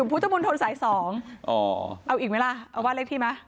อยู่พุทธบุญธนสาย๒เอาอีกไหมล่ะเอาบ้านเลขที่มา